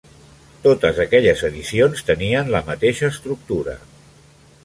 Totes aquelles edicions tenien la mateixa estructura.